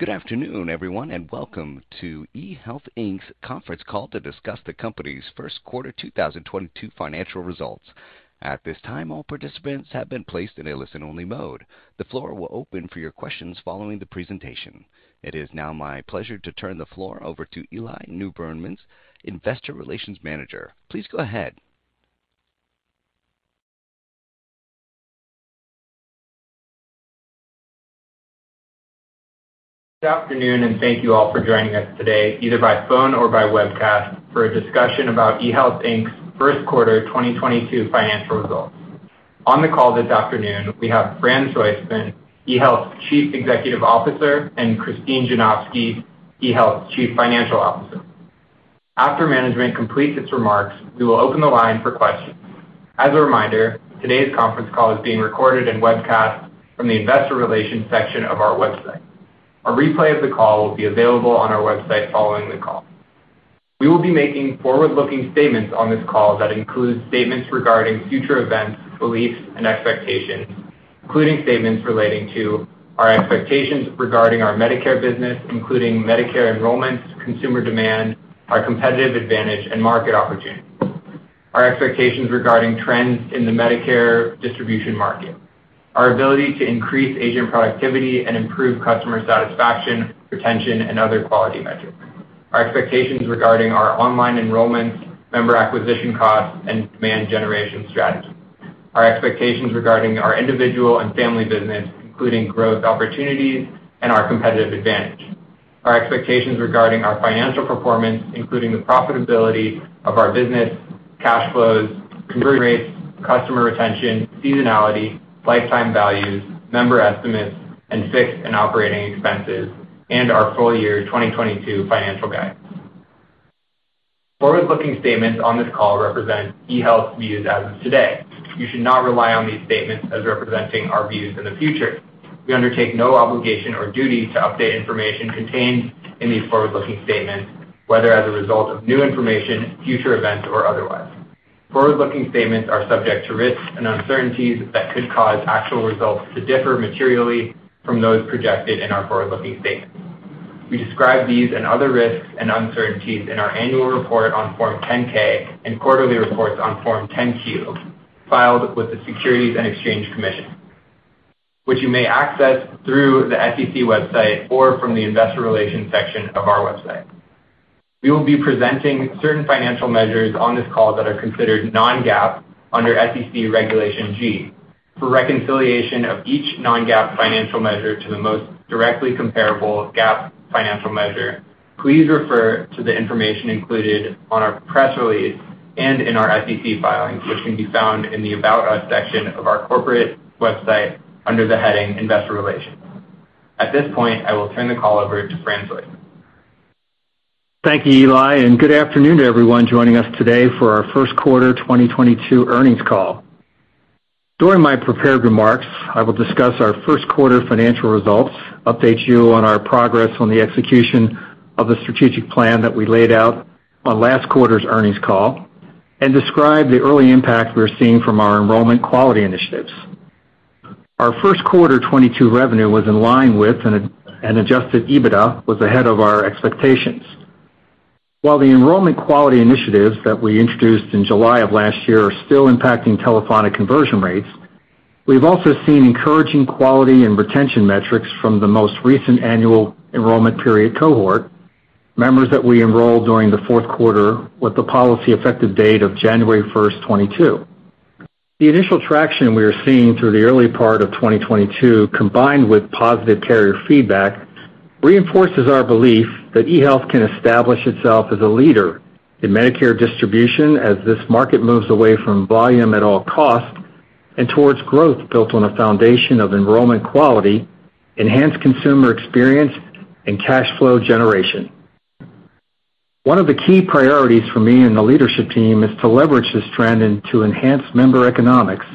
Good afternoon, everyone, and welcome to eHealth, Inc.'s Conference Call to discuss the company's first quarter 2022 financial results. At this time, all participants have been placed in a listen-only mode. The floor will open for your questions following the presentation. It is now my pleasure to turn the floor over to Eli Newbrun-Mintz, investor relations manager. Please go ahead. Good afternoon, and thank you all for joining us today, either by phone or by webcast for a discussion about eHealth, Inc.'s first quarter 2022 financial results. On the call this afternoon, we have Fran Soistman, eHealth's Chief Executive Officer, and Christine Janofsky, eHealth's Chief Financial Officer. After management completes its remarks, we will open the line for questions. As a reminder, today's conference call is being recorded and webcast from the investor relations section of our website. A replay of the call will be available on our website following the call. We will be making forward-looking statements on this call that include statements regarding future events, beliefs, and expectations, including statements relating to our expectations regarding our Medicare business, including Medicare enrollments, consumer demand, our competitive advantage, and market opportunity. Our expectations regarding trends in the Medicare distribution market. Our ability to increase agent productivity and improve customer satisfaction, retention, and other quality metrics. Our expectations regarding our online enrollments, member acquisition costs, and demand generation strategies. Our expectations regarding our individual and family business, including growth opportunities and our competitive advantage. Our expectations regarding our financial performance, including the profitability of our business, cash flows, conversion rates, customer retention, seasonality, lifetime values, member estimates, and fixed and operating expenses, and our full year 2022 financial guidance. Forward-looking statements on this call represent eHealth's views as of today. You should not rely on these statements as representing our views in the future. We undertake no obligation or duty to update information contained in these forward-looking statements, whether as a result of new information, future events, or otherwise. Forward-looking statements are subject to risks and uncertainties that could cause actual results to differ materially from those projected in our forward-looking statements. We describe these and other risks and uncertainties in our annual report on Form 10-K and quarterly reports on Form 10-Q, filed with the Securities and Exchange Commission, which you may access through the SEC website or from the investor relations section of our website. We will be presenting certain financial measures on this call that are considered non-GAAP under SEC Regulation G. For reconciliation of each non-GAAP financial measure to the most directly comparable GAAP financial measure, please refer to the information included on our press release and in our SEC filings, which can be found in the About Us section of our corporate website under the heading Investor Relations. At this point, I will turn the call over to Fran Soistman. Thank you, Eli, and good afternoon to everyone joining us today for our First Quarter 2022 Earnings Call. During my prepared remarks, I will discuss our first quarter financial results, update you on our progress on the execution of the strategic plan that we laid out on last quarter's earnings call, and describe the early impact we are seeing from our enrollment quality initiatives. Our first quarter 2022 revenue was in line with, and adjusted EBITDA was ahead of our expectations. While the enrollment quality initiatives that we introduced in July of last year are still impacting telephonic conversion rates, we've also seen encouraging quality and retention metrics from the most recent annual enrollment period cohort, members that we enrolled during the fourth quarter with the policy effective date of January 1st, 2022. The initial traction we are seeing through the early part of 2022, combined with positive carrier feedback, reinforces our belief that eHealth can establish itself as a leader in Medicare distribution as this market moves away from volume at all costs and towards growth built on a foundation of enrollment quality, enhanced consumer experience, and cash flow generation. One of the key priorities for me and the leadership team is to leverage this trend into enhanced member economics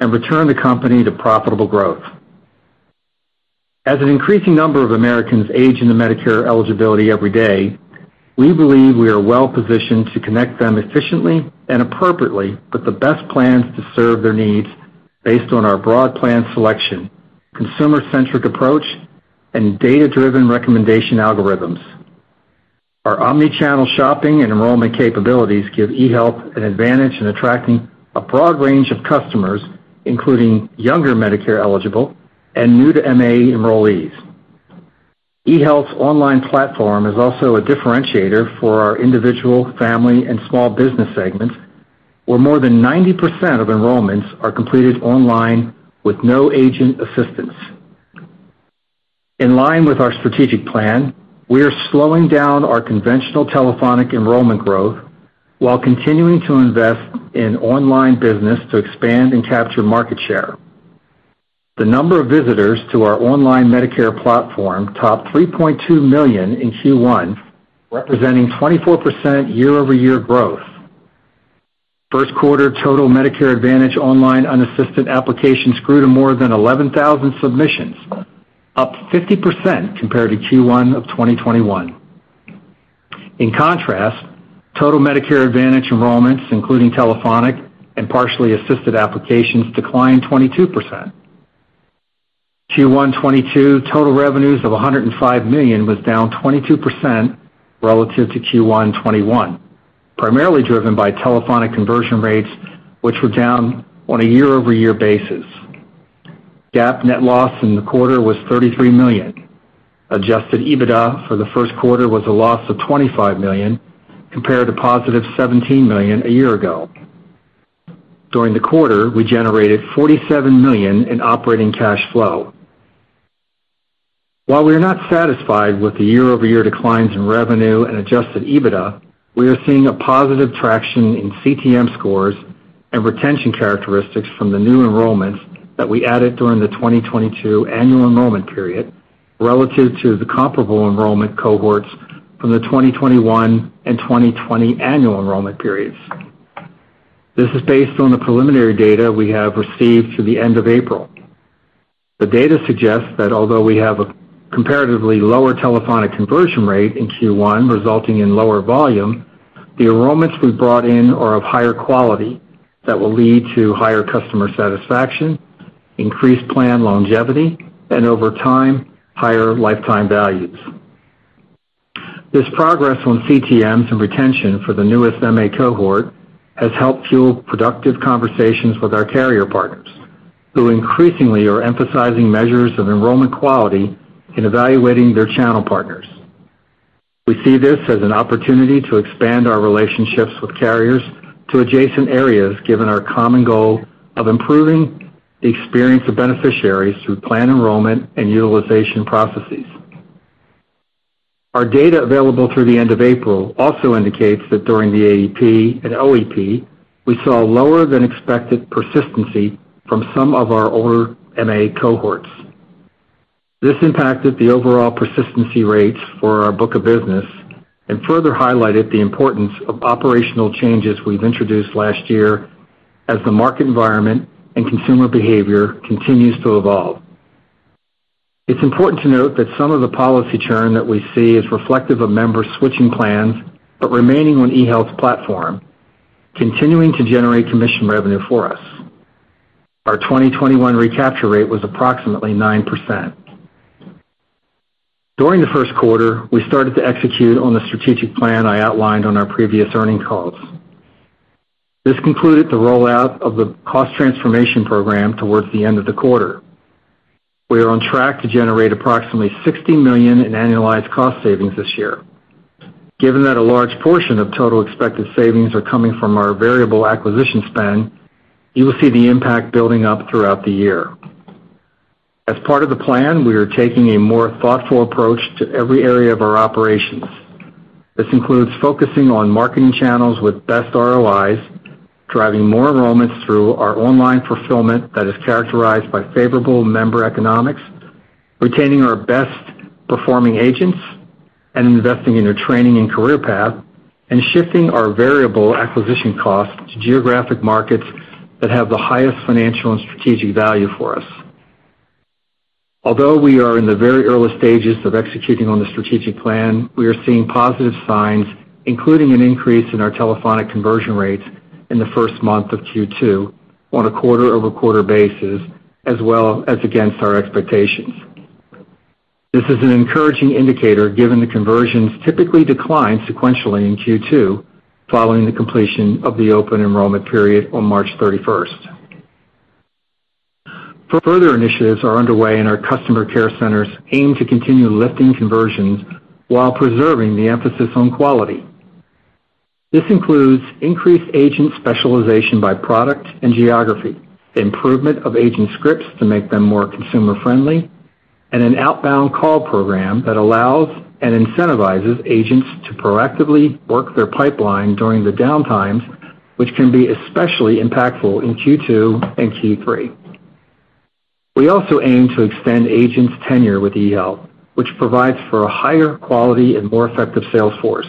and return the company to profitable growth. As an increasing number of Americans age into Medicare eligibility every day, we believe we are well-positioned to connect them efficiently and appropriately with the best plans to serve their needs based on our broad plan selection, consumer-centric approach, and data-driven recommendation algorithms. Our omni-channel shopping and enrollment capabilities give eHealth an advantage in attracting a broad range of customers, including younger Medicare-eligible and new-to-MA enrollees. eHealth's online platform is also a differentiator for our individual, family, and small business segments, where more than 90% of enrollments are completed online with no agent assistance. In line with our strategic plan, we are slowing down our conventional telephonic enrollment growth while continuing to invest in online business to expand and capture market share. The number of visitors to our online Medicare platform topped 3.2 million in Q1, representing 24% year-over-year growth. First quarter total Medicare Advantage online unassisted applications grew to more than 11,000 submissions, up 50% compared to Q1 of 2021. In contrast, total Medicare Advantage enrollments, including telephonic and partially assisted applications, declined 22%. Q1 2022 total revenues of $105 million was down 22% relative to Q1 2021, primarily driven by telephonic conversion rates, which were down on a year-over-year basis. GAAP net loss in the quarter was $33 million. Adjusted EBITDA for the first quarter was a loss of $25 million compared to positive $17 million a year ago. During the quarter, we generated $47 million in operating cash flow. While we are not satisfied with the year-over-year declines in revenue and adjusted EBITDA, we are seeing a positive traction in CTM scores and retention characteristics from the new enrollments that we added during the 2022 annual enrollment period relative to the comparable enrollment cohorts from the 2021 and 2020 annual enrollment periods. This is based on the preliminary data we have received through the end of April. The data suggests that although we have a comparatively lower telephonic conversion rate in Q1 resulting in lower volume, the enrollments we brought in are of higher quality that will lead to higher customer satisfaction, increased plan longevity, and over time, higher lifetime values. This progress on CTMs and retention for the newest MA cohort has helped fuel productive conversations with our carrier partners, who increasingly are emphasizing measures of enrollment quality in evaluating their channel partners. We see this as an opportunity to expand our relationships with carriers to adjacent areas, given our common goal of improving the experience of beneficiaries through plan enrollment and utilization processes. Our data available through the end of April also indicates that during the AEP and OEP, we saw lower than expected persistency from some of our older MA cohorts. This impacted the overall persistency rates for our book of business and further highlighted the importance of operational changes we've introduced last year as the market environment and consumer behavior continues to evolve. It's important to note that some of the policy churn that we see is reflective of members switching plans but remaining on eHealth's platform, continuing to generate commission revenue for us. Our 2021 recapture rate was approximately 9%. During the first quarter, we started to execute on the strategic plan I outlined on our previous earnings calls. This concluded the rollout of the cost transformation program towards the end of the quarter. We are on track to generate approximately $60 million in annualized cost savings this year. Given that a large portion of total expected savings are coming from our variable acquisition spend, you will see the impact building up throughout the year. As part of the plan, we are taking a more thoughtful approach to every area of our operations. This includes focusing on marketing channels with best ROIs, driving more enrollments through our online fulfillment that is characterized by favorable member economics, retaining our best performing agents, and investing in their training and career path, and shifting our variable acquisition costs to geographic markets that have the highest financial and strategic value for us. Although we are in the very early stages of executing on the strategic plan, we are seeing positive signs, including an increase in our telephonic conversion rates in the first month of Q2 on a quarter-over-quarter basis, as well as against our expectations. This is an encouraging indicator, given the conversions typically decline sequentially in Q2 following the completion of the open enrollment period on March 31st. Further initiatives are underway in our customer care centers aimed to continue lifting conversions while preserving the emphasis on quality. This includes increased agent specialization by product and geography, improvement of agent scripts to make them more consumer-friendly, and an outbound call program that allows and incentivizes agents to proactively work their pipeline during the downtimes, which can be especially impactful in Q2 and Q3. We also aim to extend agents' tenure with eHealth, which provides for a higher quality and more effective sales force.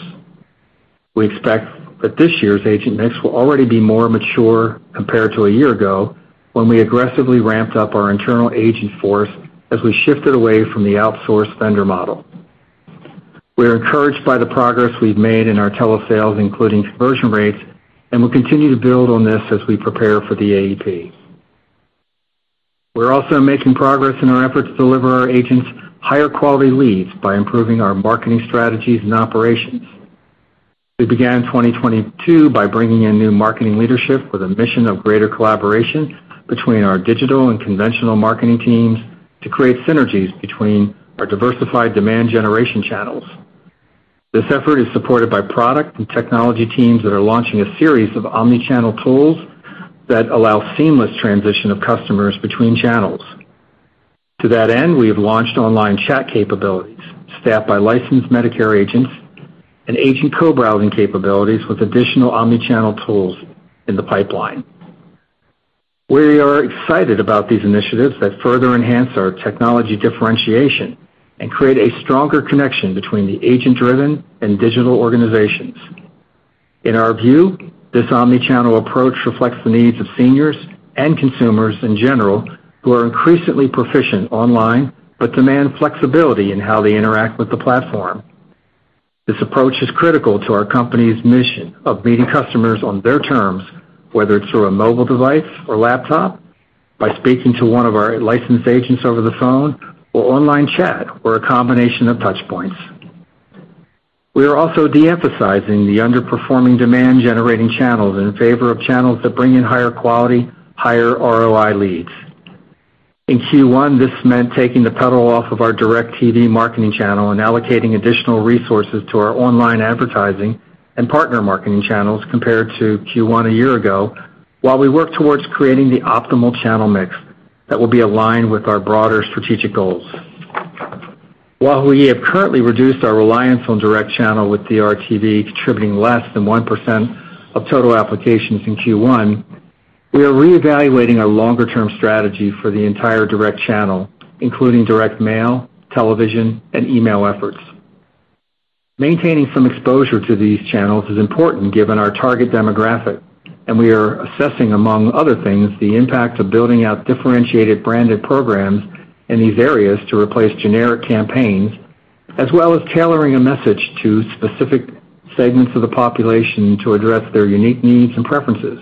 We expect that this year's agent mix will already be more mature compared to a year ago, when we aggressively ramped up our internal agent force as we shifted away from the outsourced vendor model. We are encouraged by the progress we've made in our telesales, including conversion rates, and we'll continue to build on this as we prepare for the AEP. We're also making progress in our efforts to deliver our agents higher quality leads by improving our marketing strategies and operations. We began 2022 by bringing in new marketing leadership with a mission of greater collaboration between our digital and conventional marketing teams to create synergies between our diversified demand generation channels. This effort is supported by product and technology teams that are launching a series of omnichannel tools that allow seamless transition of customers between channels. To that end, we have launched online chat capabilities staffed by licensed Medicare agents and agent co-browsing capabilities with additional omnichannel tools in the pipeline. We are excited about these initiatives that further enhance our technology differentiation and create a stronger connection between the agent-driven and digital organizations. In our view, this omni-channel approach reflects the needs of seniors and consumers in general who are increasingly proficient online, but demand flexibility in how they interact with the platform. This approach is critical to our company's mission of meeting customers on their terms, whether it's through a mobile device or laptop, by speaking to one of our licensed agents over the phone or online chat, or a combination of touchpoints. We are also de-emphasizing the underperforming demand generating channels in favor of channels that bring in higher quality, higher ROI leads. In Q1, this meant taking the foot off of our direct TV marketing channel and allocating additional resources to our online advertising and partner marketing channels compared to Q1 a year ago, while we work towards creating the optimal channel mix that will be aligned with our broader strategic goals. While we have currently reduced our reliance on direct channel with DRTV contributing less than 1% of total applications in Q1, we are reevaluating our longer-term strategy for the entire direct channel, including direct mail, television, and email efforts. Maintaining some exposure to these channels is important given our target demographic, and we are assessing, among other things, the impact of building out differentiated branded programs in these areas to replace generic campaigns, as well as tailoring a message to specific segments of the population to address their unique needs and preferences.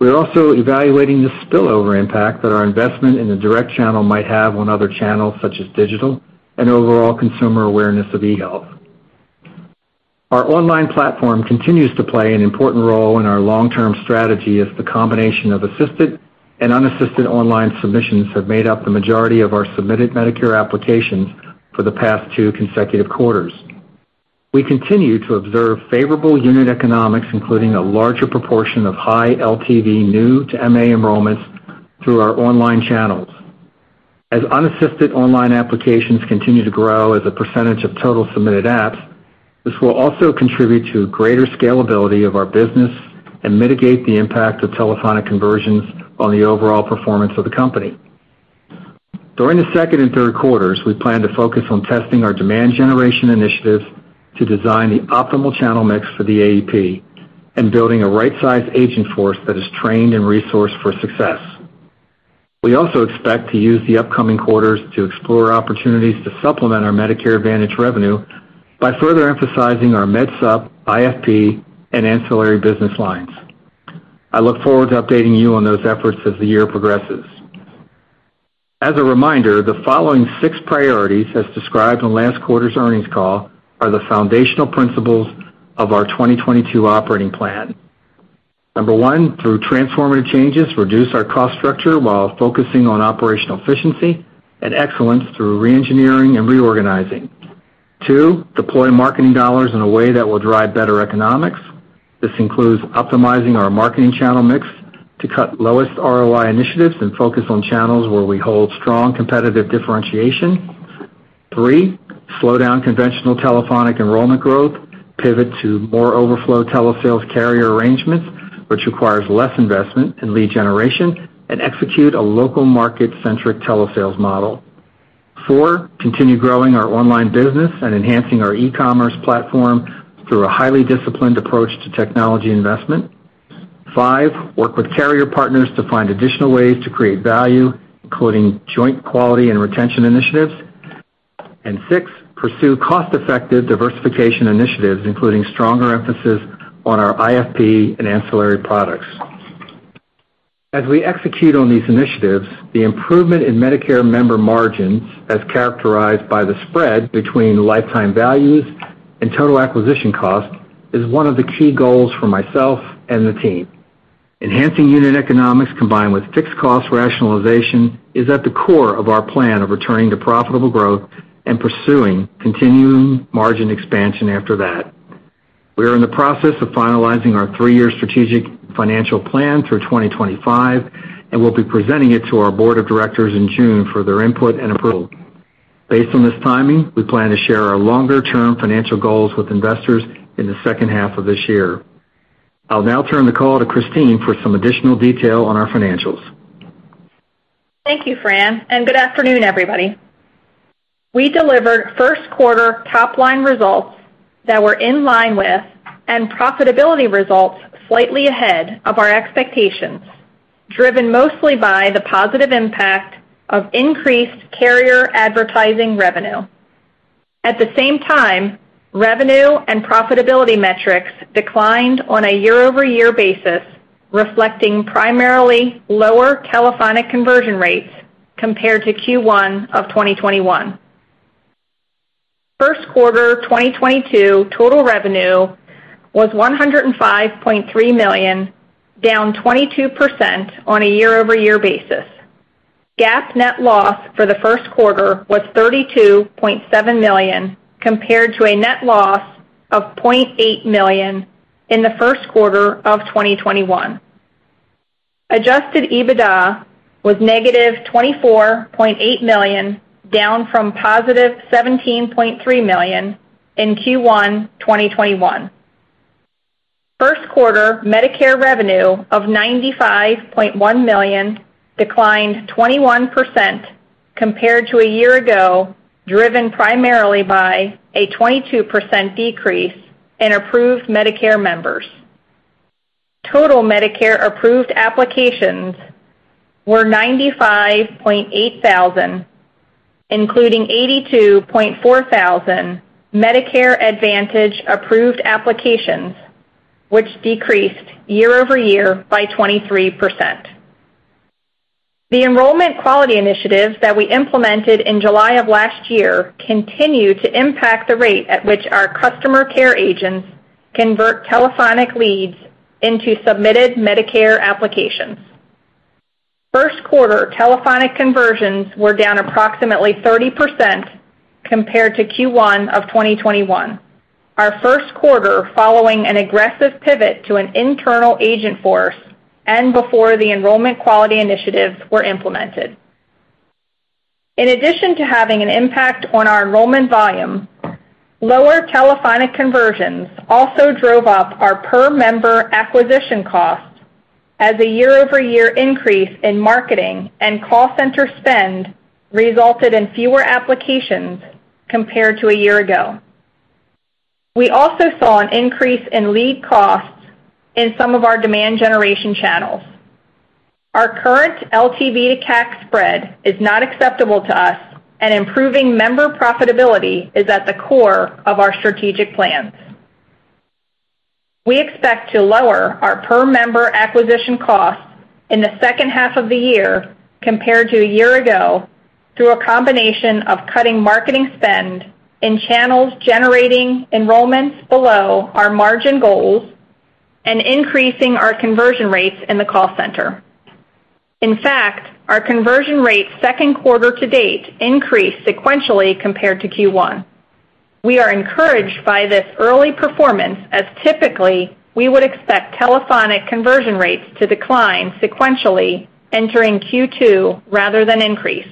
We are also evaluating the spillover impact that our investment in the direct channel might have on other channels such as digital and overall consumer awareness of eHealth. Our online platform continues to play an important role in our long-term strategy as the combination of assisted and unassisted online submissions have made up the majority of our submitted Medicare applications for the past two consecutive quarters. We continue to observe favorable unit economics, including a larger proportion of high LTV new to MA enrollments through our online channels. As unassisted online applications continue to grow as a percentage of total submitted apps, this will also contribute to greater scalability of our business and mitigate the impact of telephonic conversions on the overall performance of the company. During the second and third quarters, we plan to focus on testing our demand generation initiatives to design the optimal channel mix for the AEP and building a right-sized agent force that is trained and resourced for success. We also expect to use the upcoming quarters to explore opportunities to supplement our Medicare Advantage revenue by further emphasizing our MedSup, IFP, and ancillary business lines. I look forward to updating you on those efforts as the year progresses. As a reminder, the following six priorities, as described in last quarter's earnings call, are the foundational principles of our 2022 operating plan. Number one, through transformative changes, reduce our cost structure while focusing on operational efficiency and excellence through reengineering and reorganizing. two, deploy marketing dollars in a way that will drive better economics. This includes optimizing our marketing channel mix to cut lowest ROI initiatives and focus on channels where we hold strong competitive differentiation. Three, slow down conventional telephonic enrollment growth, pivot to more overflow telesales carrier arrangements, which requires less investment in lead generation, and execute a local market-centric telesales model. Four, continue growing our online business and enhancing our e-commerce platform through a highly disciplined approach to technology investment. Five, work with carrier partners to find additional ways to create value, including joint quality and retention initiatives. Six, pursue cost-effective diversification initiatives, including stronger emphasis on our IFP and ancillary products. As we execute on these initiatives, the improvement in Medicare member margins, as characterized by the spread between lifetime values and total acquisition cost, is one of the key goals for myself and the team. Enhancing unit economics combined with fixed cost rationalization is at the core of our plan of returning to profitable growth and pursuing continuing margin expansion after that. We are in the process of finalizing our three-year strategic financial plan through 2025, and we'll be presenting it to our board of directors in June for their input and approval. Based on this timing, we plan to share our longer-term financial goals with investors in the second half of this year. I'll now turn the call to Christine for some additional detail on our financials. Thank you, Fran, and good afternoon, everybody. We delivered first quarter top line results that were in line with and profitability results slightly ahead of our expectations, driven mostly by the positive impact of increased carrier advertising revenue. At the same time, revenue and profitability metrics declined on a year-over-year basis, reflecting primarily lower telephonic conversion rates compared to Q1 of 2021. First quarter 2022 total revenue was $105.3 million, down 22% on a year-over-year basis. GAAP net loss for the first quarter was $32.7 million, compared to a net loss of $0.8 million in the first quarter of 2021. Adjusted EBITDA was negative $24.8 million, down from positive $17.3 million in Q1 2021. First quarter Medicare revenue of $95.1 million declined 21% compared to a year ago, driven primarily by a 22% decrease in approved Medicare members. Total Medicare-approved applications were 95,800, including 82,400 Medicare Advantage approved applications, which decreased year-over-year by 23%. The enrollment quality initiatives that we implemented in July of last year continue to impact the rate at which our customer care agents convert telephonic leads into submitted Medicare applications. First quarter telephonic conversions were down approximately 30% compared to Q1 of 2021, our first quarter following an aggressive pivot to an internal agent force and before the enrollment quality initiatives were implemented. In addition to having an impact on our enrollment volume, lower telephonic conversions also drove up our per member acquisition cost as a year-over-year increase in marketing and call center spend resulted in fewer applications compared to a year ago. We also saw an increase in lead costs in some of our demand generation channels. Our current LTV to CAC spread is not acceptable to us, and improving member profitability is at the core of our strategic plans. We expect to lower our per member acquisition costs in the second half of the year compared to a year ago through a combination of cutting marketing spend in channels generating enrollments below our margin goals and increasing our conversion rates in the call center. In fact, our conversion rates second quarter to date increased sequentially compared to Q1. We are encouraged by this early performance as typically we would expect telephonic conversion rates to decline sequentially entering Q2 rather than increase.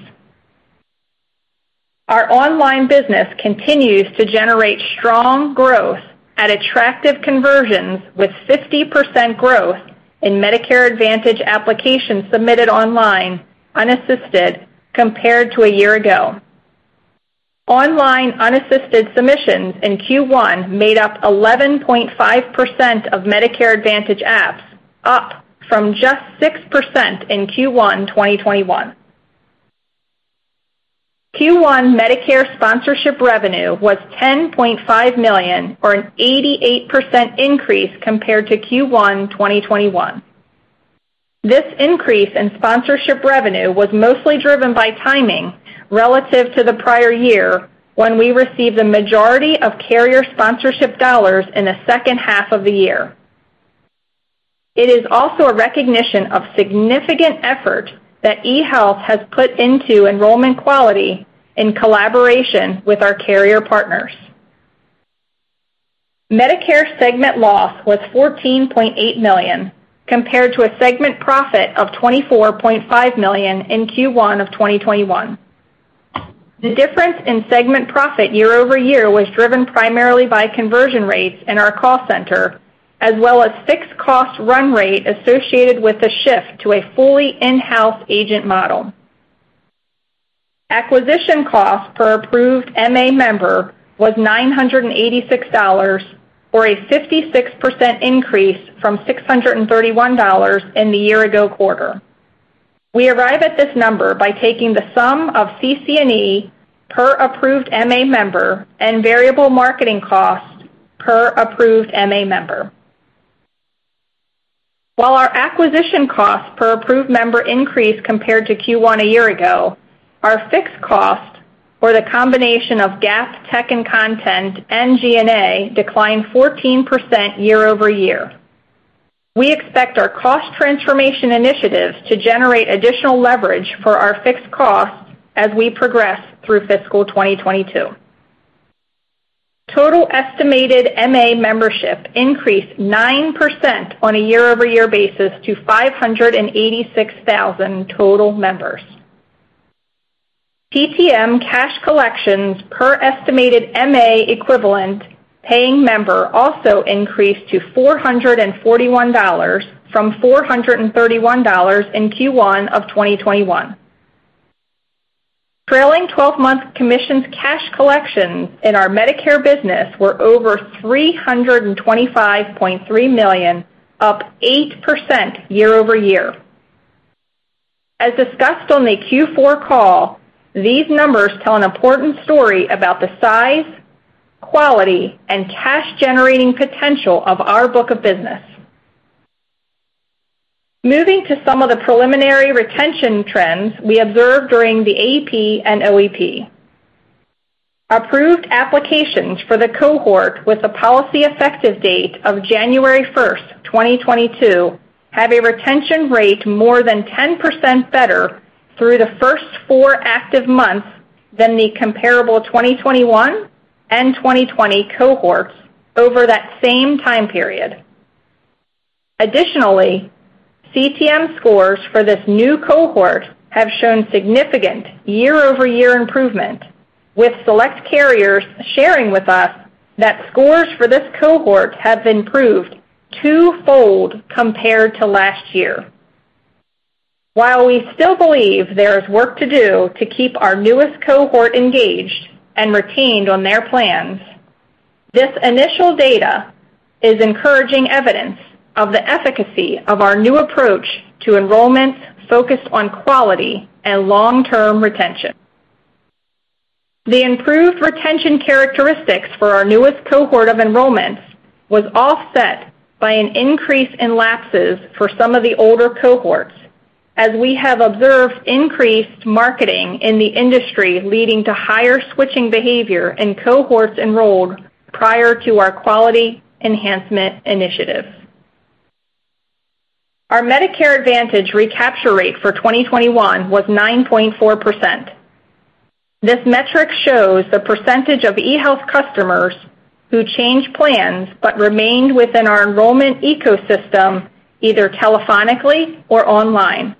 Our online business continues to generate strong growth at attractive conversions with 50% growth in Medicare Advantage applications submitted online unassisted compared to a year ago. Online unassisted submissions in Q1 made up 11.5% of Medicare Advantage apps, up from just 6% in Q1 2021. Q1 Medicare sponsorship revenue was $10.5 million, or an 88% increase compared to Q1 2021. This increase in sponsorship revenue was mostly driven by timing relative to the prior year when we received the majority of carrier sponsorship dollars in the second half of the year. It is also a recognition of significant effort that eHealth has put into enrollment quality in collaboration with our carrier partners. Medicare segment loss was $14.8 million, compared to a segment profit of $24.5 million in Q1 of 2021. The difference in segment profit year-over-year was driven primarily by conversion rates in our call center, as well as fixed cost run rate associated with the shift to a fully in-house agent model. Acquisition cost per approved MA member was $986, or a 56% increase from $631 in the year ago quarter. We arrive at this number by taking the sum of CC&E per approved MA member and variable marketing cost per approved MA member. While our acquisition cost per approved member increased compared to Q1 a year ago, our fixed cost, or the combination of GAAP tech and content and G&A, declined 14% year-over-year. We expect our cost transformation initiatives to generate additional leverage for our fixed costs as we progress through fiscal 2022. Total estimated MA membership increased 9% on a year-over-year basis to 586,000 total members. TTM cash collections per estimated MA equivalent paying member also increased to $441 from $431 in Q1 of 2021. Trailing twelve-month commissions cash collections in our Medicare business were over $325.3 million, up 8% year-over-year. As discussed on the Q4 call, these numbers tell an important story about the size, quality, and cash generating potential of our book of business. Moving to some of the preliminary retention trends we observed during the AEP and OEP. Approved applications for the cohort with a policy effective date of January 1st, 2022 have a retention rate more than 10% better through the first four active months than the comparable 2021 and 2020 cohorts over that same time period. Additionally, CTM scores for this new cohort have shown significant year-over-year improvement, with select carriers sharing with us that scores for this cohort have improved twofold compared to last year. While we still believe there is work to do to keep our newest cohort engaged and retained on their plans, this initial data is encouraging evidence of the efficacy of our new approach to enrollment focused on quality and long-term retention. The improved retention characteristics for our newest cohort of enrollments was offset by an increase in lapses for some of the older cohorts, as we have observed increased marketing in the industry, leading to higher switching behavior in cohorts enrolled prior to our quality enhancement initiative. Our Medicare Advantage recapture rate for 2021 was 9.4%. This metric shows the percentage of eHealth customers who changed plans but remained within our enrollment ecosystem, either telephonically or online.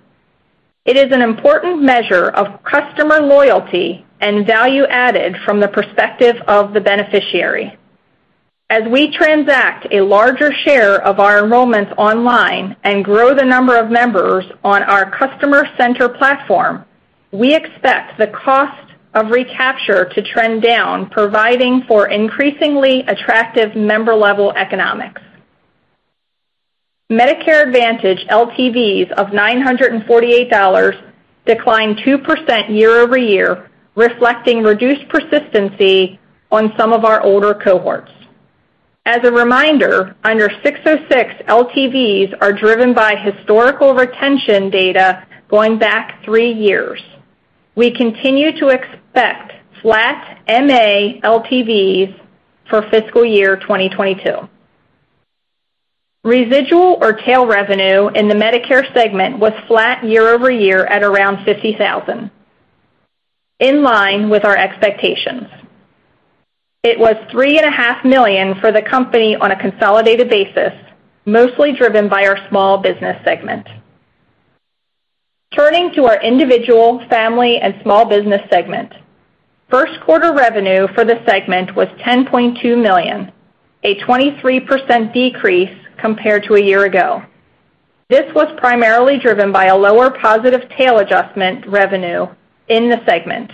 It is an important measure of customer loyalty and value added from the perspective of the beneficiary. As we transact a larger share of our enrollments online and grow the number of members on our customer center platform, we expect the cost of recapture to trend down, providing for increasingly attractive member-level economics. Medicare Advantage LTVs of $948 declined 2% year-over-year, reflecting reduced persistency on some of our older cohorts. As a reminder, under ASC 606, LTVs are driven by historical retention data going back three years. We continue to expect flat MA LTVs for fiscal year 2022. Residual or tail revenue in the Medicare segment was flat year-over-year at around $50,000, in line with our expectations. It was $3.5 million for the company on a consolidated basis, mostly driven by our small business segment. Turning to our individual, family, and small business segment. First quarter revenue for the segment was $10.2 million, a 23% decrease compared to a year ago. This was primarily driven by a lower positive tail adjustment revenue in the segment,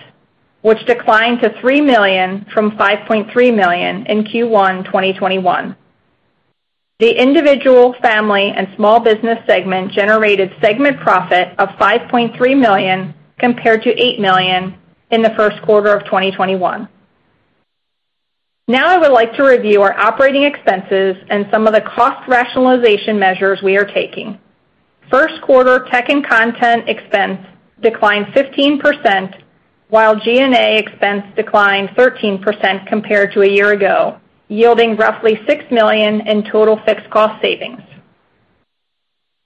which declined to $3 million from $5.3 million in Q1 2021. The individual, family, and small business segment generated segment profit of $5.3 million compared to $8 million in the first quarter of 2021. Now I would like to review our operating expenses and some of the cost rationalization measures we are taking. First quarter tech and content expense declined 15%, while G&A expense declined 13% compared to a year ago, yielding roughly $6 million in total fixed cost savings.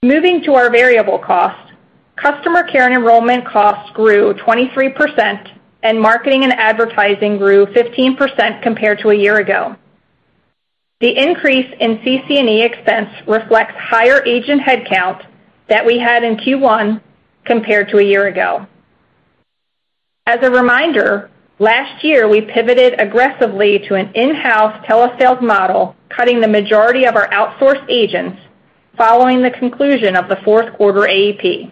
Moving to our variable cost, customer care and enrollment costs grew 23%, and marketing and advertising grew 15% compared to a year ago. The increase in CC&E expense reflects higher agent headcount that we had in Q1 compared to a year ago. As a reminder, last year, we pivoted aggressively to an in-house telesales model, cutting the majority of our outsourced agents following the conclusion of the fourth quarter AEP.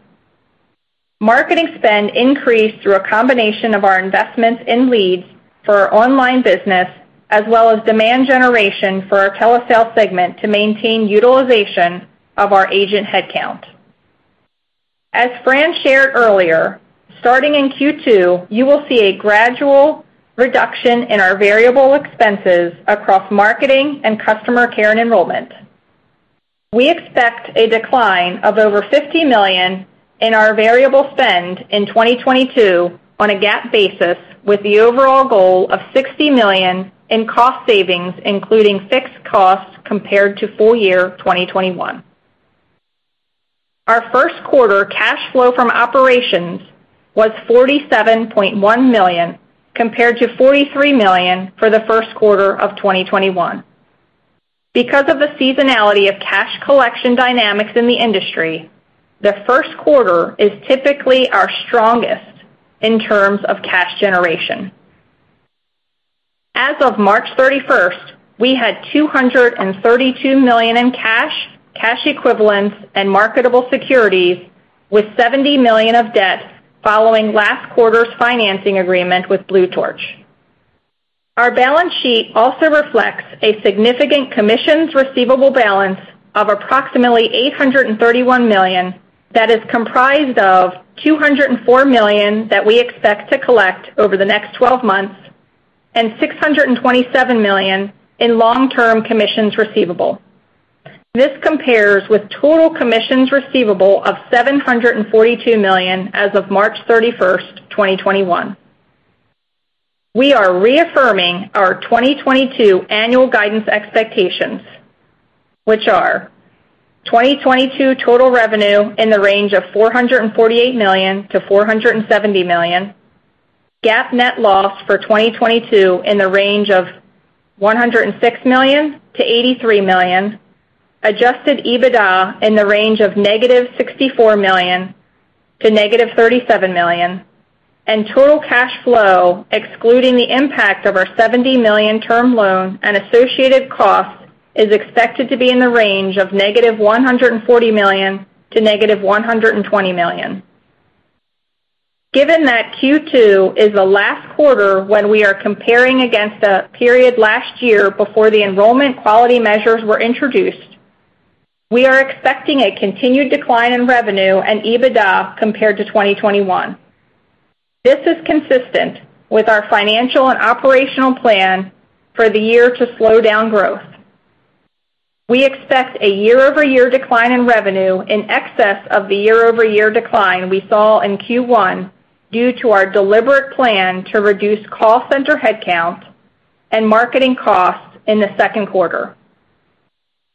Marketing spend increased through a combination of our investments in leads for our online business as well as demand generation for our telesales segment to maintain utilization of our agent headcount. As Fran shared earlier, starting in Q2, you will see a gradual reduction in our variable expenses across marketing and customer care and enrollment. We expect a decline of over $50 million in our variable spend in 2022 on a GAAP basis, with the overall goal of $60 million in cost savings, including fixed costs compared to full year 2021. Our first quarter cash flow from operations was $47.1 million, compared to $43 million for the first quarter of 2021. Because of the seasonality of cash collection dynamics in the industry, the first quarter is typically our strongest in terms of cash generation. As of March 31st, we had $232 million in cash equivalents, and marketable securities, with $70 million of debt following last quarter's financing agreement with Blue Torch Capital. Our balance sheet also reflects a significant commissions receivable balance of approximately $831 million that is comprised of $204 million that we expect to collect over the next 12 months and $627 million in long-term commissions receivable. This compares with total commissions receivable of $742 million as of March 31st, 2021. We are reaffirming our 2022 annual guidance expectations, which are 2022 total revenue in the range of $448 million-$470 million. GAAP net loss for 2022 in the range of $106 million-$83 million, adjusted EBITDA in the range of -$64 million-$-37 million, and total cash flow, excluding the impact of our $70 million term loan and associated costs, is expected to be in the range of -$140 million-$-120 million. Given that Q2 is the last quarter when we are comparing against a period last year before the enrollment quality measures were introduced, we are expecting a continued decline in revenue and EBITDA compared to 2021. This is consistent with our financial and operational plan for the year to slow down growth. We expect a year-over-year decline in revenue in excess of the year-over-year decline we saw in Q1 due to our deliberate plan to reduce call center headcount and marketing costs in the second quarter.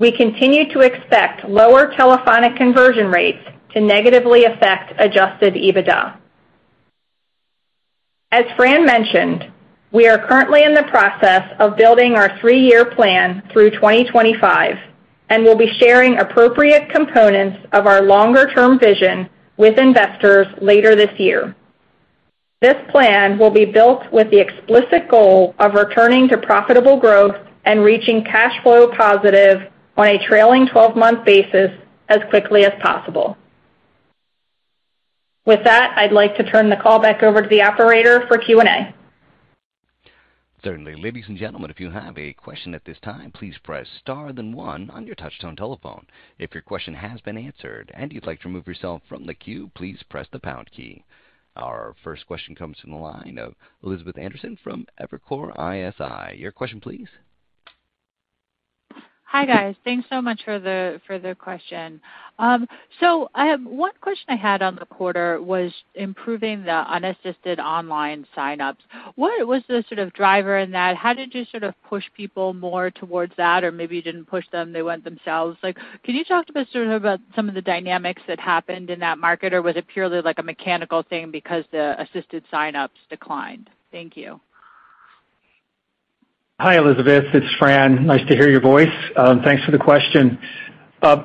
We continue to expect lower telephonic conversion rates to negatively affect adjusted EBITDA. As Fran mentioned, we are currently in the process of building our three-year plan through 2025, and we'll be sharing appropriate components of our longer-term vision with investors later this year. This plan will be built with the explicit goal of returning to profitable growth and reaching cash flow positive on a trailing twelve-month basis as quickly as possible. With that, I'd like to turn the call back over to the operator for Q&A. Certainly. Ladies and gentlemen, if you have a question at this time, please press star then one on your touch tone telephone. If your question has been answered and you'd like to remove yourself from the queue, please press the pound key. Our first question comes from the line of Elizabeth Anderson from Evercore ISI. Your question, please. Hi, guys. Thanks so much for the question. One question I had on the quarter was improving the unassisted online sign-ups. What was the sort of driver in that? How did you sort of push people more towards that? Or maybe you didn't push them, they went themselves. Like, can you talk to us sort of about some of the dynamics that happened in that market, or was it purely like a mechanical thing because the assisted sign-ups declined? Thank you. Hi, Elizabeth. It's Fran. Nice to hear your voice. Thanks for the question.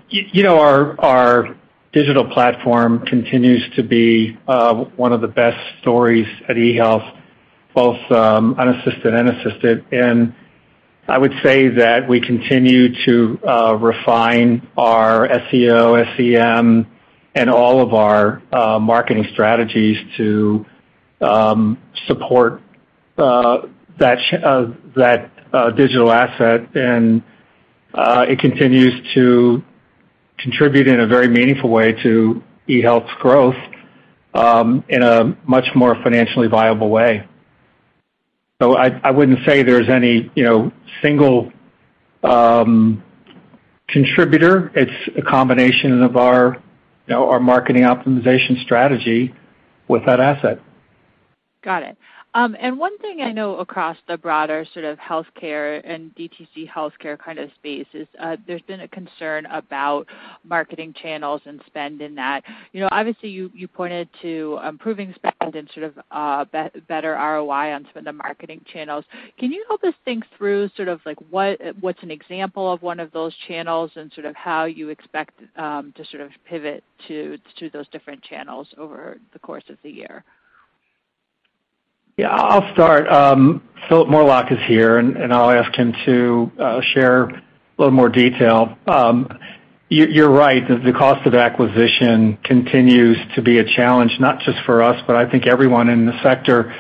You know, our digital platform continues to be one of the best stories at eHealth, both unassisted and assisted. I would say that we continue to refine our SEO, SEM, and all of our marketing strategies to support that digital asset. It continues to contribute in a very meaningful way to eHealth's growth in a much more financially viable way. I wouldn't say there's any, you know, single contributor. It's a combination of our, you know, marketing optimization strategy with that asset. Got it. One thing I know across the broader sort of healthcare and DTC healthcare kind of space is, there's been a concern about marketing channels and spend in that. You know, obviously, you pointed to improving spend and sort of better ROI on some of the marketing channels. Can you help us think through sort of like, what's an example of one of those channels and sort of how you expect to sort of pivot to those different channels over the course of the year? Yeah, I'll start. Phillip Morelock is here, and I'll ask him to share a little more detail. You're right. The cost of acquisition continues to be a challenge, not just for us, but I think everyone in the sector,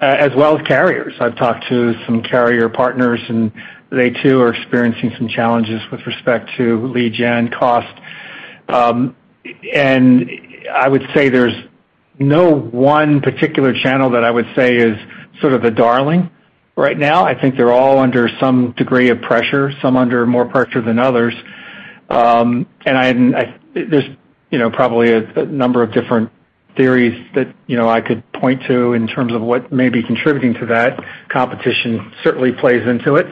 as well as carriers. I've talked to some carrier partners, and they, too, are experiencing some challenges with respect to lead gen cost. I would say there's no one particular channel that I would say is sort of the darling right now. I think they're all under some degree of pressure, some under more pressure than others. There's, you know, probably a number of different theories that, you know, I could point to in terms of what may be contributing to that. Competition certainly plays into it,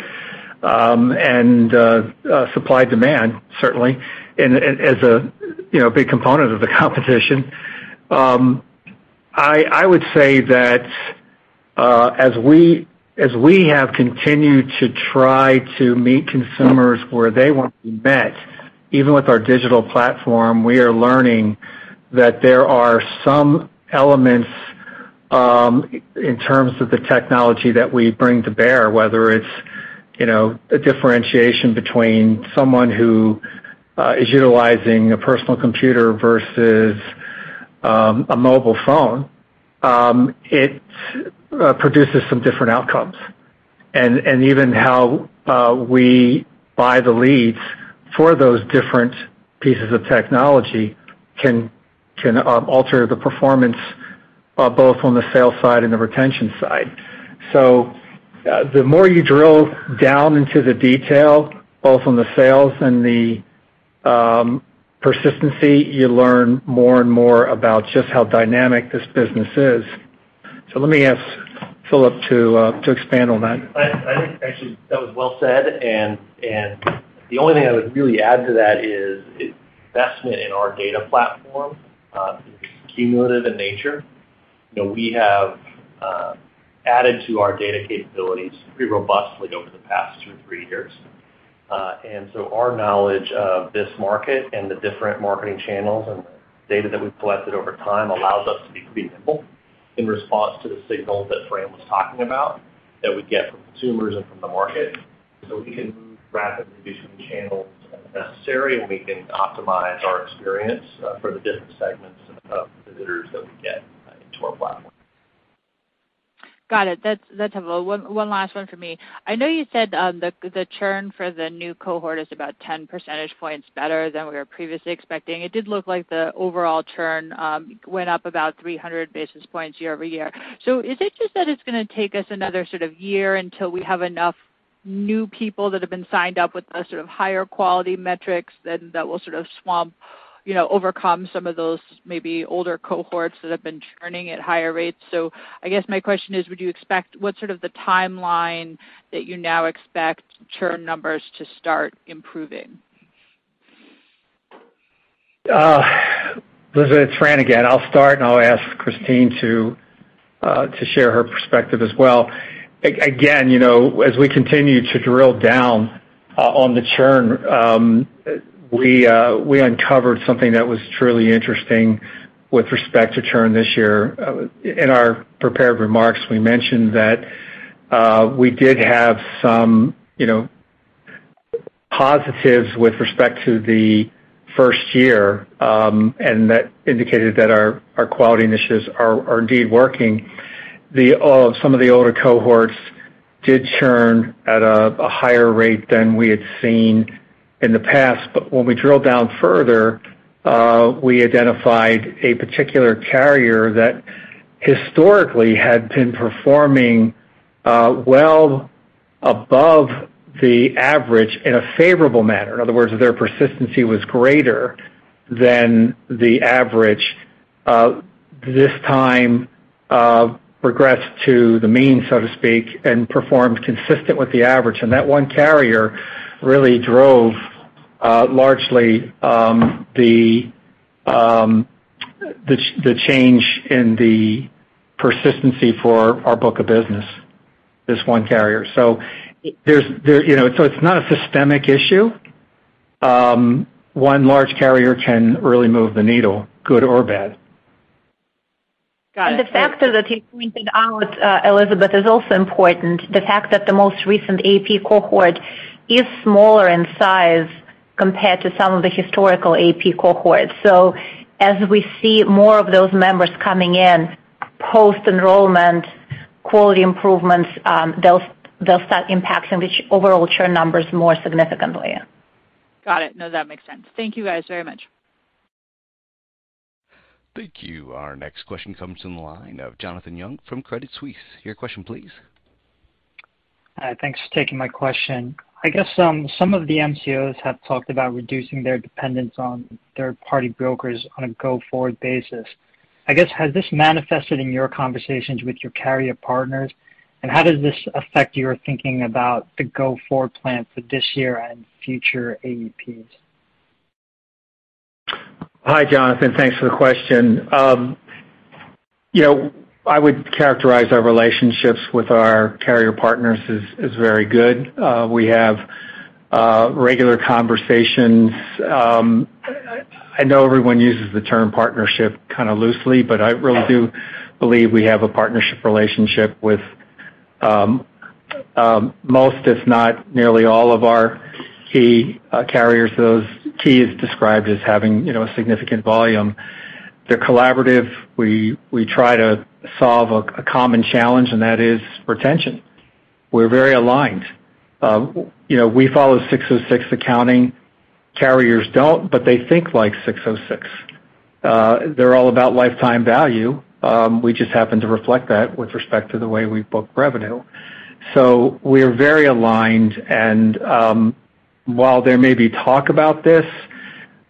and supply and demand certainly and as a, you know, big component of the competition. I would say that as we have continued to try to meet consumers where they want to be met, even with our digital platform, we are learning that there are some elements in terms of the technology that we bring to bear, whether it's, you know, a differentiation between someone who is utilizing a personal computer vs a mobile phone, it produces some different outcomes. Even how we buy the leads for those different pieces of technology can alter the performance both on the sales side and the retention side. The more you drill down into the detail, both on the sales and the persistency, you learn more and more about just how dynamic this business is. Let me ask Phillip to expand on that. I think actually that was well said, and the only thing I would really add to that is investment in our data platform is cumulative in nature. You know, we have added to our data capabilities pretty robustly over the past two, three years. So our knowledge of this market and the different marketing channels and data that we've collected over time allows us to be pretty nimble in response to the signals that Fran was talking about that we get from consumers and from the market. We can move rapidly between channels when necessary, and we can optimize our experience for the different segments of visitors that we get into our platform. Got it. That's helpful. One last one for me. I know you said the churn for the new cohort is about 10 percentage points better than we were previously expecting. It did look like the overall churn went up about 300 basis points year-over-year. Is it just that it's gonna take us another sort of year until we have enough new people that have been signed up with the sort of higher quality metrics then that will sort of swamp, you know, overcome some of those maybe older cohorts that have been churning at higher rates? I guess my question is, what's sort of the timeline that you now expect churn numbers to start improving? Elizabeth, it's Fran again. I'll start, and I'll ask Christine to share her perspective as well. Again, you know, as we continue to drill down on the churn, we uncovered something that was truly interesting with respect to churn this year. In our prepared remarks, we mentioned that we did have some, you know, positives with respect to the first year, and that indicated that our quality initiatives are indeed working. Then, some of the older cohorts did churn at a higher rate than we had seen in the past. When we drilled down further, we identified a particular carrier that historically had been performing well above the average in a favorable manner. In other words, their persistency was greater than the average, this time, regressed to the mean, so to speak, and performed consistent with the average. That one carrier really drove, largely, the change in the persistency for our book of business, this one carrier. There's, you know, so it's not a systemic issue. One large carrier can really move the needle, good or bad. Got it. The fact that you pointed out, Elizabeth, is also important. The fact that the most recent AEP cohort is smaller in size compared to some of the historical AEP cohorts. As we see more of those members coming in, post-enrollment quality improvements, they'll start impacting the overall churn numbers more significantly. Got it. No, that makes sense. Thank you, guys, very much. Thank you. Our next question comes from the line of Jonathan Yong from Credit Suisse. Your question, please. Thanks for taking my question. I guess, some of the MCOs have talked about reducing their dependence on third-party brokers on a go-forward basis. I guess, has this manifested in your conversations with your carrier partners, and how does this affect your thinking about the go-forward plan for this year and future AEPs? Hi, Jonathan. Thanks for the question. You know, I would characterize our relationships with our carrier partners as very good. We have regular conversations. I know everyone uses the term partnership kinda loosely, but I really do believe we have a partnership relationship with most, if not nearly all, of our key carriers. Those key is described as having, you know, a significant volume. They're collaborative. We try to solve a common challenge, and that is retention. We're very aligned. You know, we follow ASC 606 accounting. Carriers don't, but they think like ASC 606. They're all about lifetime value. We just happen to reflect that with respect to the way we book revenue. We're very aligned, and while there may be talk about this,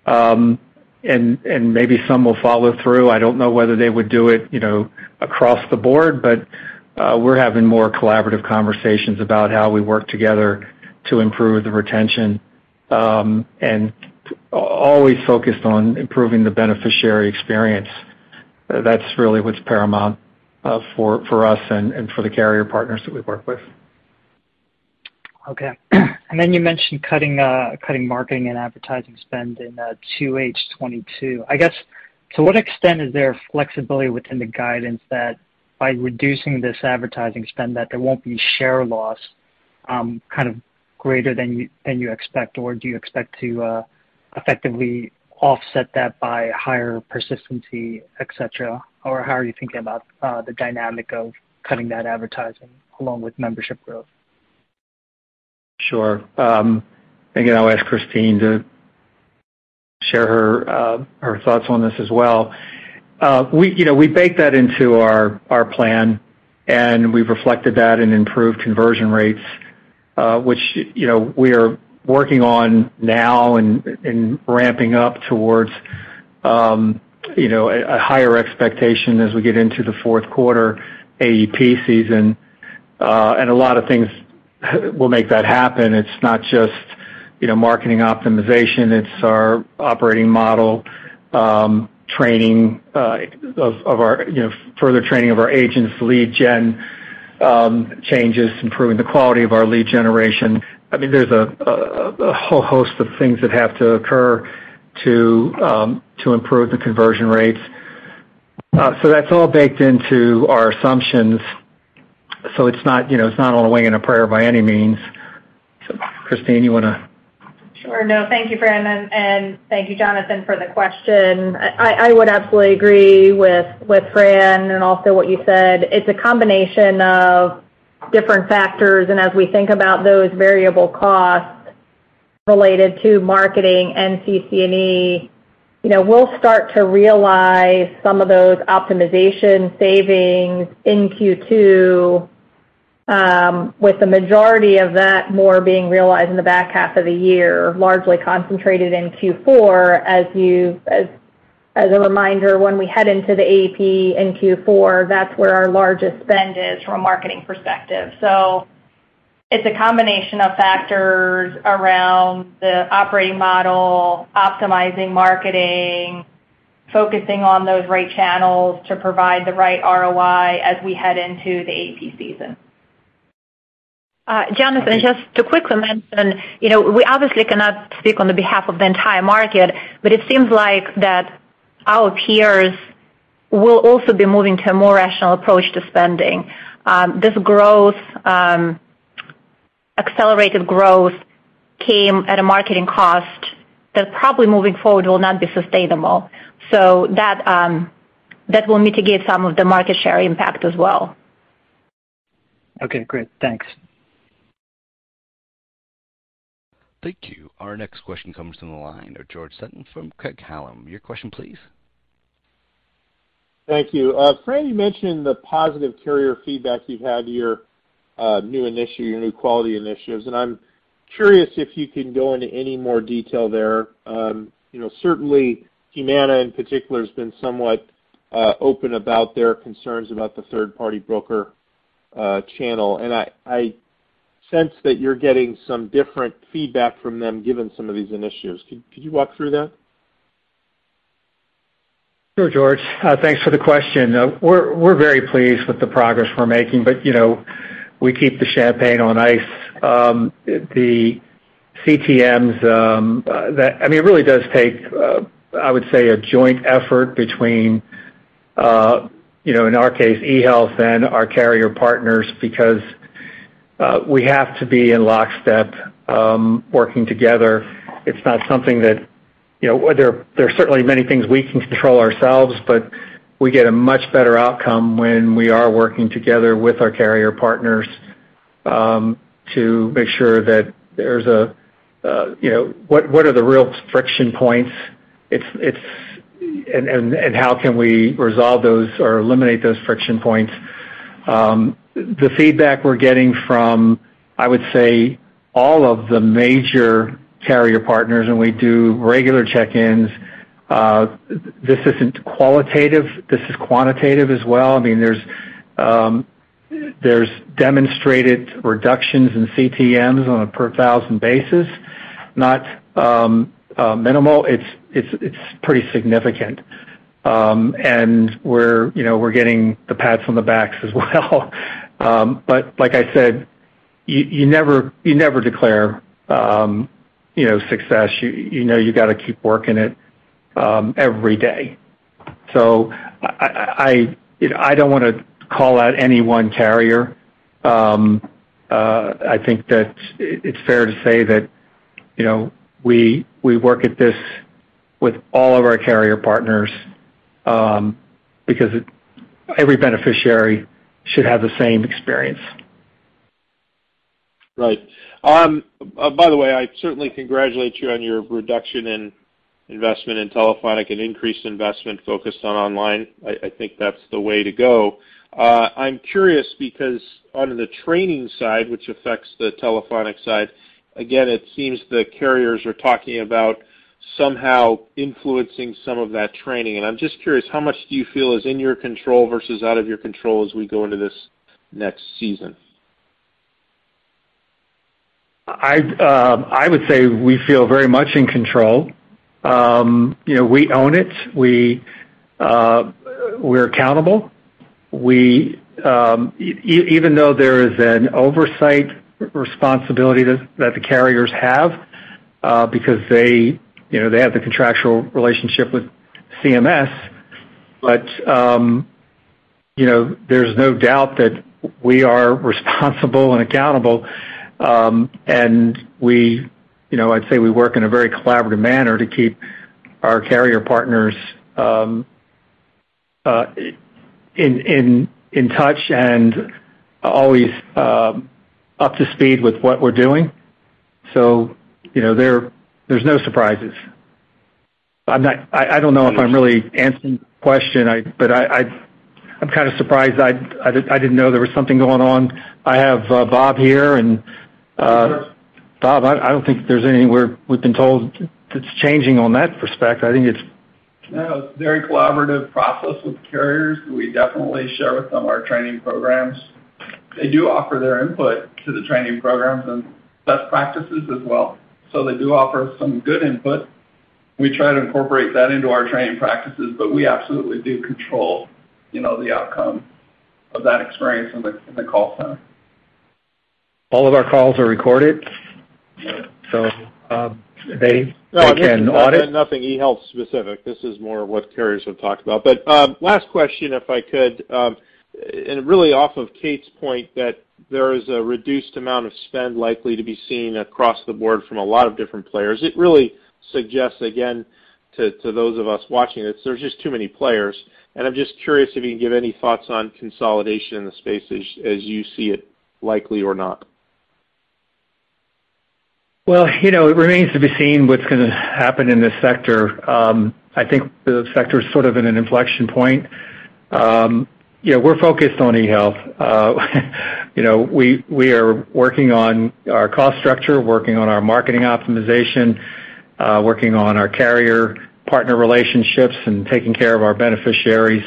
and maybe some will follow through, I don't know whether they would do it, you know, across the board. We're having more collaborative conversations about how we work together to improve the retention, and always focused on improving the beneficiary experience. That's really what's paramount for us and for the carrier partners that we work with. Okay. You mentioned cutting marketing and advertising spend in 2H 2022. I guess, to what extent is there flexibility within the guidance that by reducing this advertising spend, that there won't be share loss kind of greater than you expect? Or do you expect to effectively offset that by higher persistency, et cetera? Or how are you thinking about the dynamic of cutting that advertising along with membership growth? Sure. Again, I'll ask Christine to share her thoughts on this as well. We, you know, we bake that into our plan, and we've reflected that in improved conversion rates, which, you know, we are working on now and ramping up towards, you know, a higher expectation as we get into the fourth quarter AEP season. A lot of things will make that happen. It's not just, you know, marketing optimization, it's our operating model, training of our, you know, further training of our agents, lead gen changes, improving the quality of our lead generation. I mean, there's a whole host of things that have to occur to improve the conversion rates. That's all baked into our assumptions, so it's not, you know, it's not on a wing and a prayer by any means. Christine, you wanna? Sure. No, thank you, Fran, and thank you, Jonathan, for the question. I would absolutely agree with Fran and also what you said. It's a combination of different factors, and as we think about those variable costs related to marketing and CC&E, you know, we'll start to realize some of those optimization savings in Q2, with the majority of that more being realized in the back half of the year, largely concentrated in Q4. As a reminder, when we head into the AEP in Q4, that's where our largest spend is from a marketing perspective. It's a combination of factors around the operating model, optimizing marketing, focusing on those right channels to provide the right ROI as we head into the AEP season. Jonathan, just to quickly mention, you know, we obviously cannot speak on behalf of the entire market, but it seems like that our peers will also be moving to a more rational approach to spending. This growth, accelerated growth came at a marketing cost that probably moving forward will not be sustainable. That will mitigate some of the market share impact as well. Okay, great. Thanks. Thank you. Our next question comes from the line of George Sutton from Craig-Hallum. Your question, please. Thank you. Fran, you mentioned the positive carrier feedback you've had to your new initiative, your new quality initiatives, and I'm curious if you can go into any more detail there. You know, certainly Humana in particular has been somewhat open about their concerns about the third-party broker channel. I sense that you're getting some different feedback from them, given some of these initiatives. Can you walk through that? Sure, George. Thanks for the question. We're very pleased with the progress we're making, but, you know, we keep the champagne on ice. The CTMs, I mean, it really does take, I would say a joint effort between, you know, in our case, eHealth and our carrier partners because we have to be in lockstep, working together. It's not something that, you know. There's certainly many things we can control ourselves, but we get a much better outcome when we are working together with our carrier partners, to make sure that there's a, you know. What are the real friction points? How can we resolve those or eliminate those friction points? The feedback we're getting from, I would say, all of the major carrier partners, and we do regular check-ins. This isn't qualitative. This is quantitative as well. I mean, there's demonstrated reductions in CTMs on a per thousand basis, not minimal. It's pretty significant. We're, you know, getting the pats on the backs as well. Like I said, you never declare, you know, success. You know you gotta keep working it every day. I, you know, don't wanna call out any one carrier. I think that it's fair to say that, you know, we work at this with all of our carrier partners, because every beneficiary should have the same experience. Right. By the way, I certainly congratulate you on your reduction in investment in telephonic and increased investment focused on online. I think that's the way to go. I'm curious because on the training side, which affects the telephonic side, again, it seems the carriers are talking about somehow influencing some of that training, and I'm just curious, how much do you feel is in your control vs out of your control as we go into this next season? I would say we feel very much in control. You know, we own it. We're accountable. Even though there is an oversight responsibility that the carriers have, because they, you know, they have the contractual relationship with CMS, but you know, there's no doubt that we are responsible and accountable. We, you know, I'd say we work in a very collaborative manner to keep our carrier partners in touch and always up to speed with what we're doing. You know, there's no surprises. I'm not. I don't know if I'm really answering the question. But I'm kind of surprised. I didn't know there was something going on. I have Bob here and Bob, I don't think there's anywhere we've been told that's changing in that respect. I think it's No, it's very collaborative process with carriers. We definitely share with them our training programs. They do offer their input to the training programs and best practices as well. They do offer some good input. We try to incorporate that into our training practices, but we absolutely do control, you know, the outcome of that experience in the call center. All of our calls are recorded, so they can audit. Nothing eHealth specific. This is more what carriers have talked about. Last question, if I could, and really off of Kate's point that there is a reduced amount of spend likely to be seen across the board from a lot of different players. It really suggests, again, to those of us watching this, there's just too many players. I'm just curious if you can give any thoughts on consolidation in the space as you see it, likely or not. Well, you know, it remains to be seen what's gonna happen in this sector. I think the sector is sort of in an inflection point. Yeah, we're focused on eHealth. You know, we are working on our cost structure, working on our marketing optimization, working on our carrier partner relationships and taking care of our beneficiaries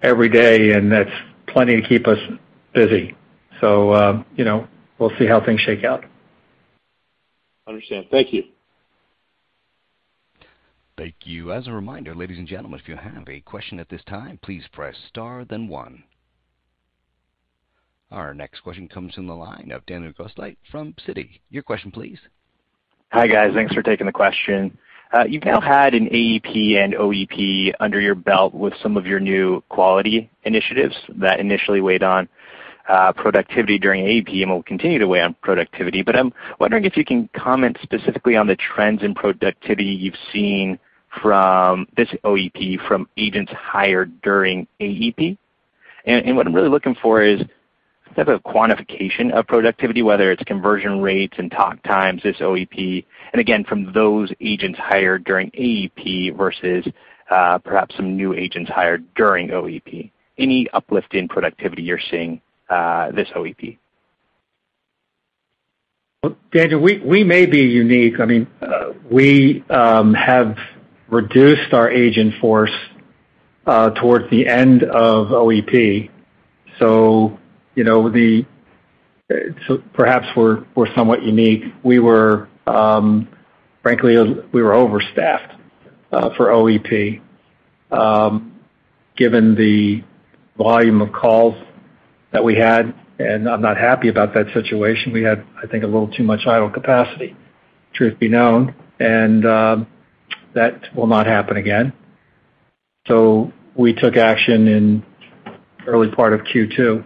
every day, and that's plenty to keep us busy. You know, we'll see how things shake out. Understand. Thank you. Thank you. As a reminder, ladies and gentlemen, if you have a question at this time, please press star then one. Our next question comes from the line of Daniel Grosslight from Citi. Your question please. Hi, guys. Thanks for taking the question. You've now had an AEP and OEP under your belt with some of your new quality initiatives that initially weighed on productivity during AEP and will continue to weigh on productivity. I'm wondering if you can comment specifically on the trends in productivity you've seen from this OEP from agents hired during AEP. What I'm really looking for is type of quantification of productivity, whether it's conversion rates and talk times this OEP, and again, from those agents hired during AEP vs perhaps some new agents hired during OEP. Any uplift in productivity you're seeing this OEP. Daniel, we may be unique. I mean, we have reduced our agent force towards the end of OEP. You know, perhaps we're somewhat unique. We were frankly overstaffed for OEP given the volume of calls that we had, and I'm not happy about that situation. We had, I think, a little too much idle capacity, truth be known, and that will not happen again. We took action in early part of Q2.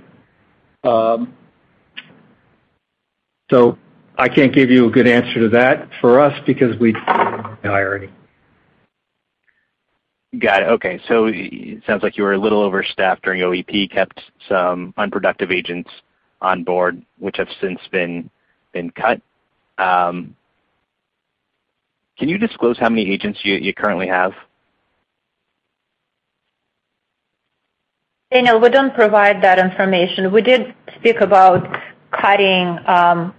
I can't give you a good answer to that for us because we're hiring. Got it. Okay. Sounds like you were a little overstaffed during OEP, kept some unproductive agents on board, which have since been cut. Can you disclose how many agents you currently have? Daniel, we don't provide that information. We did speak about cutting,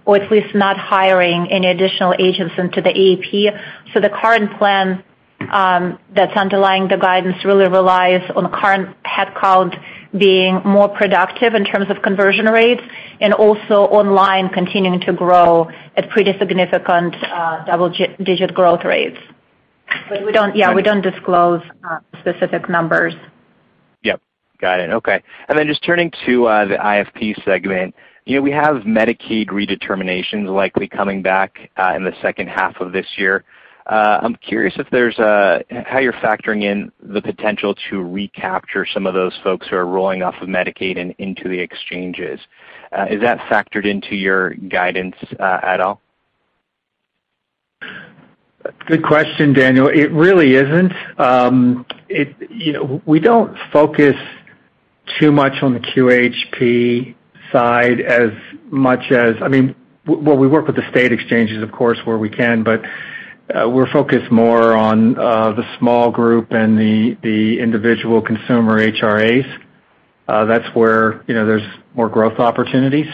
or at least not hiring any additional agents into the AEP. The current plan, that's underlying the guidance really relies on the current head count being more productive in terms of conversion rates and also online continuing to grow at pretty significant, double-digit growth rates. We don't, yeah, we don't disclose specific numbers. Yep. Got it. Okay. Just turning to the IFP segment. You know, we have Medicaid redeterminations likely coming back in the second half of this year. I'm curious how you're factoring in the potential to recapture some of those folks who are rolling off of Medicaid and into the exchanges. Is that factored into your guidance at all? Good question, Daniel. It really isn't. You know, we don't focus too much on the QHP side as much as I mean, we work with the state exchanges, of course, where we can, but we're focused more on the small group and the individual consumer HRAs. That's where, you know, there's more growth opportunities.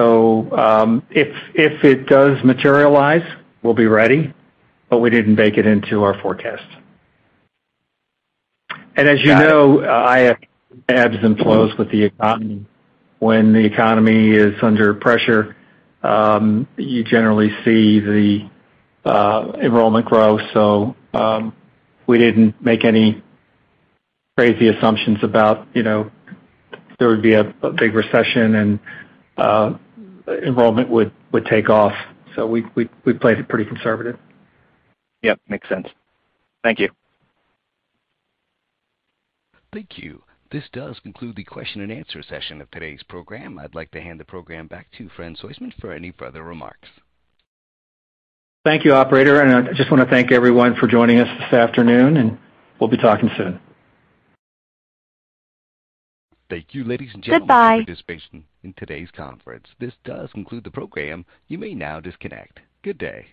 If it does materialize, we'll be ready, but we didn't bake it into our forecast. As you know, IF ebbs and flows with the economy. When the economy is under pressure, you generally see the enrollment grow. We didn't make any crazy assumptions about, you know, there would be a big recession and enrollment would take off. We played it pretty conservative. Yep, makes sense. Thank you. Thank you. This does conclude the question and answer session of today's program. I'd like to hand the program back to Fran Soistman for any further remarks. Thank you, operator. I just wanna thank everyone for joining us this afternoon, and we'll be talking soon. Thank you, ladies and gentlemen. Goodbye... for your participation in today's conference. This does conclude the program. You may now disconnect. Good day.